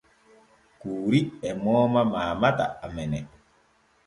Kuuri e mooma mamata amene.